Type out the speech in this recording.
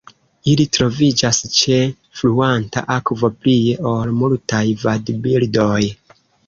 Ili troviĝas ĉe fluanta akvo plie ol multaj vadbirdoj.